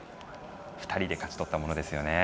２人で勝ち取ったものですよね。